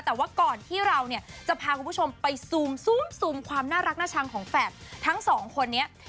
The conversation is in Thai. แต่ว่าก่อนที่เราเนี่ยจะพาคุณผู้ชมไปซูมความน่ารักน่าชังของแฝดทั้งสองคนนี้